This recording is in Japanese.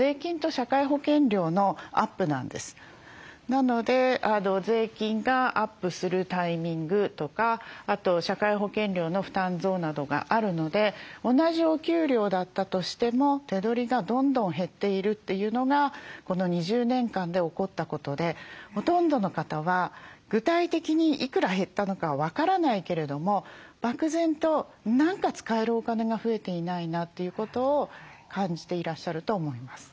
なので税金がアップするタイミングとかあと社会保険料の負担増などがあるので同じお給料だったとしても手取りがどんどん減っているというのがこの２０年間で起こったことでほとんどの方は具体的にいくら減ったのかは分からないけれども漠然と何か使えるお金が増えていないなということを感じていらっしゃると思います。